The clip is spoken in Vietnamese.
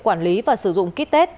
quản lý và sử dụng kit test